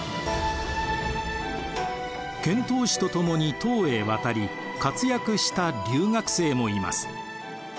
遣唐使とともに唐へ渡り活躍した留学生もいます。